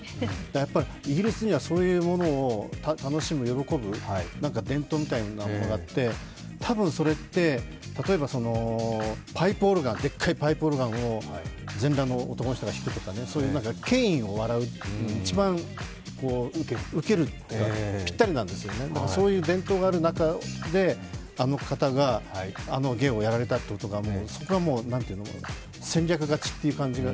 やはりイギリスにはそういうものを楽しむ、喜ぶ伝統みたいなものがあって、多分それって、例えばでっかいパイプオルガンを全裸の男の人が弾くとか、そういう権威を笑うとか一番ウケる、ぴったりなんですよねだからそういう伝統がある中であの方があの芸をやられたということがそこが戦略勝ちという感じが。